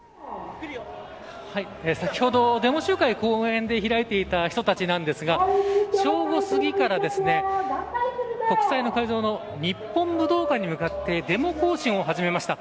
先ほどデモ集会を公園で開いていた人たちですが正午過ぎから、国葬の会場の日本武道館に向かってデモ行進を始めました。